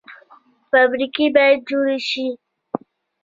فابریکې باید جوړې شي